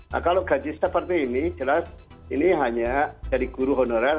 nah kalau gaji seperti ini jelas ini hanya dari guru honorer